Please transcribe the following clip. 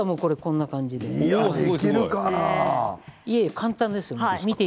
簡単ですよ。